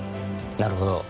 なるほど。